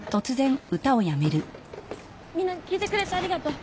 みんな聴いてくれてありがとう。